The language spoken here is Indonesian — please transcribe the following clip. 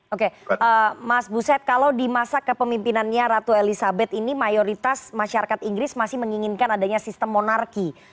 oke mas buset kalau di masa kepemimpinannya ratu elizabeth ini mayoritas masyarakat inggris masih menginginkan adanya sistem monarki